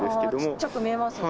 小っちゃく見えますね。